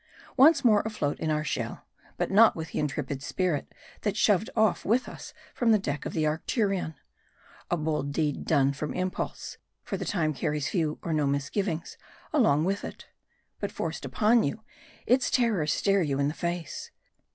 Once more afloat in our shell ! But not with the intrepid spirit that shoved off with us from the deck of the Arctu rion. A bold deed done from impulse, for the time carries few or no misgivings along with it. But forced upon you, its terrors stare you in the face.